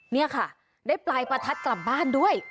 นี่ค่ะได้ปลายประทัดกลับบ้านด้วย